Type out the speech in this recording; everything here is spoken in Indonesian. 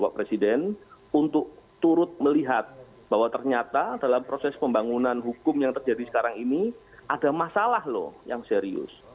bapak presiden untuk turut melihat bahwa ternyata dalam proses pembangunan hukum yang terjadi sekarang ini ada masalah loh yang serius